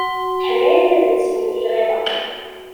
Tḥemmlemt ad teslemt i lɣiḍa?